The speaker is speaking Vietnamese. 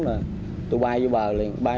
rồi tui bay vô bờ liền